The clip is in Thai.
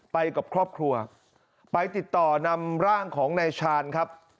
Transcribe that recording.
ไปกับครอบครัวไปติดต่อนำร่างของนายชาญครับ